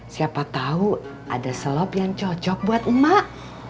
siapa tahu ada slop yang cocok buat emak